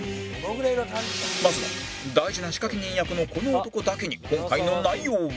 まずは大事な仕掛け人役のこの男だけに今回の内容を